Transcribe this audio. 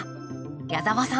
矢澤さん